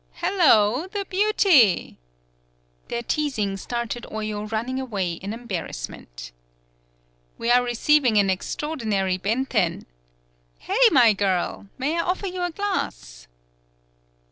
"Hello! .The beauty!" Their teasing started Oyo running away in embarrassment. "We are receiving an extraordinary Benten." "Hey, my girl! May I offer you a glass?"